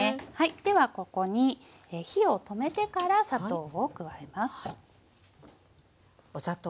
ではここに火を止めてから砂糖を加えます。